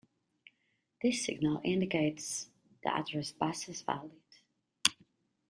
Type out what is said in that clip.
This signal indicates the address bus is valid.